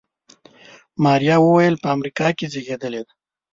ماريا وويل په امريکا کې زېږېدلې ده.